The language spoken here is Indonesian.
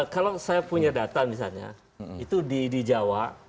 kalau saya punya data misalnya itu di jawa